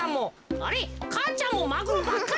あれっ母ちゃんもマグロばっかりじゃん。